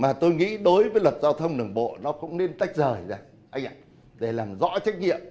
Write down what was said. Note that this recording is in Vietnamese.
và tôi nghĩ đối với luật giao thông đường bộ nó cũng nên tách rời ra anh ạ để làm rõ trách nhiệm